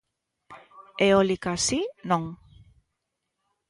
Eólica así non.